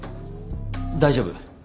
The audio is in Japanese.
大丈夫。